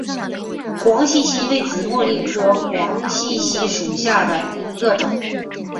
黄细心为紫茉莉科黄细心属下的一个种。